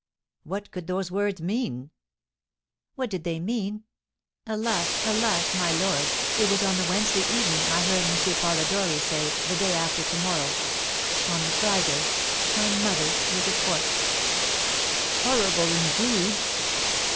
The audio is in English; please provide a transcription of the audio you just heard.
'" "What could those words mean?" "What did they mean? Alas, alas, my lord, it was on the Wednesday evening I heard M. Polidori say 'The day after to morrow;' on the Friday my mother was a corpse!" "Horrible, indeed!"